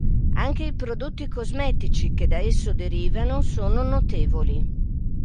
Anche i prodotti cosmetici che da esso derivano sono notevoli.